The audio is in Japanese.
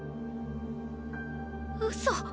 うそ。